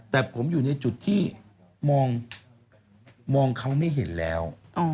แต่ผมอยู่ในจุดที่มองเขาไม่เห็นแล้ว